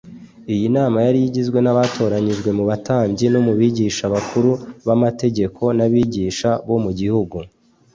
Iyi nama yari igizwe n’abatoranijwe mu batambyi, no mu bigisha bakuru b’amategeko, n’abigisha bo mu gihugu.